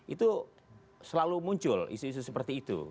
itu selalu muncul isu isu seperti itu